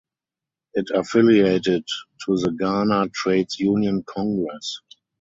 It affiliated to the Ghana Trades Union Congress.